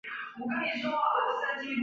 维古莱奥齐。